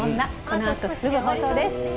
このあとすぐ放送です。